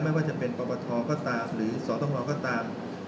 ไม่ว่าจะเป็นประประท้อก็ตามหรือสอดทำลองก็ตาม